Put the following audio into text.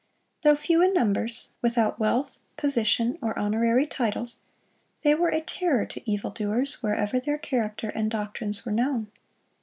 Though few in numbers, without wealth, position, or honorary titles, they were a terror to evil doers wherever their character and doctrines were known.